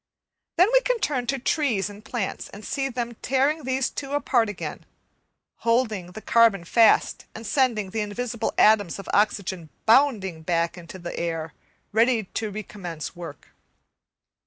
Then we can turn to trees and plants, and see them tearing these two apart again, holding the carbon fast and sending the invisible atoms of oxygen bounding back again into the air, ready to recommence work.